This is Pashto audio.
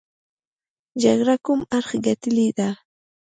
جګړه کوم اړخ ګټلې ده.